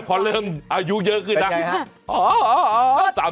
เป็นไงครับ